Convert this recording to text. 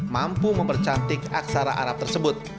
mampu mempercantik aksara arab tersebut